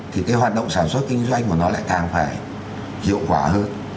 thì cái hoạt động sản xuất kinh doanh của nó lại càng phải hiệu quả hơn